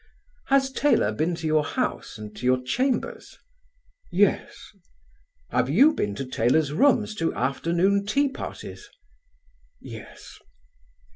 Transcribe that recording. "Has Taylor been to your house and to your chambers?" "Yes." "Have you been to Taylor's rooms to afternoon tea parties?" "Yes."